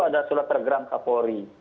ada surat tergeram kapolri